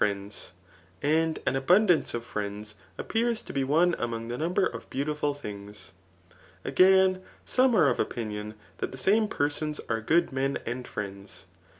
289 loifen of fnends ; and an abundance of fiends, appears to be one among the number of beautiful things. Again, tome are of opinion that the same person^ are good men and friends.